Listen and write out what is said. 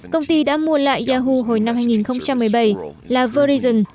công ty đã mua lại yahoo hồi năm hai nghìn một mươi bảy là verizon